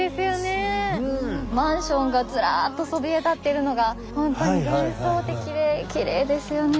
マンションがずらっとそびえ立ってるのが本当に幻想的できれいですよね。